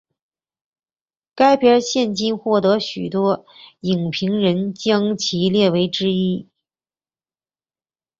该片现今获得许多影评人将其列为之一。